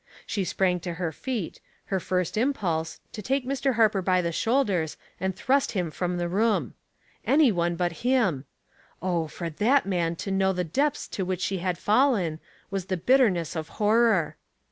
She sprang to her feet, her first impulse, to take Mr. Harper by the shoulders and thrust him from the room. Anyone but him ! Oh, for that man to know the depths to which she had fallen, was the bitterness of horror.